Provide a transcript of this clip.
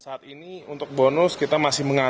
saat ini untuk bonus kita masih mengalami